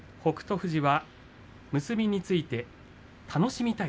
富士は結びについて楽しみたい。